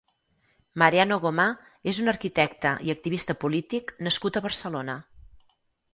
Mariano Gomà és un arquitecte i activista polític nascut a Barcelona.